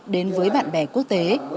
đến với bạn bè quốc tế